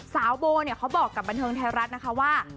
สาวโบเนี่ยเขาบอกกับบทไทยรัฐว่า